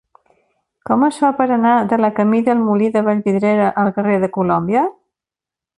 Com es fa per anar de la camí del Molí de Vallvidrera al carrer de Colòmbia?